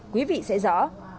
quý vị sẽ rõ